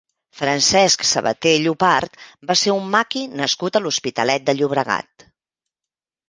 Francesc Sabaté Llopart va ser un maqui nascut a l'Hospitalet de Llobregat.